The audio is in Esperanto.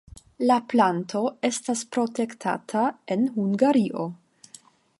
La planto estas protektata en Hungario.